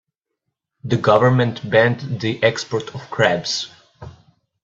The government banned the export of crabs.